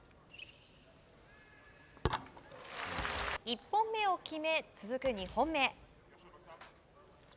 １本目を決め、続く２本目。